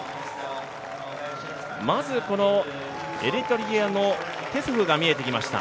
まずエリトリアのテスフが見えてきました。